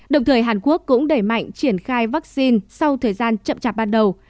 đồng thời hàn quốc cũng đẩy mạnh triển khai vaccine sau thời gian chậm chạp ban đầu